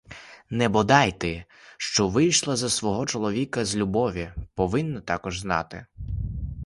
Це бодай ти, що вийшла за свого чоловіка з любові, повинна також знати.